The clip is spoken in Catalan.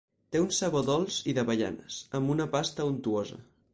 Té un sabor dolç i d'avellanes, amb una pasta untuosa.